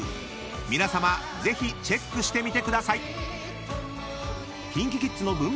［皆さまぜひチェックしてみてください］